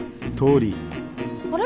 あれ？